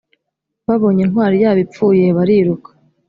babonye intwari yabo ipfuye bariruka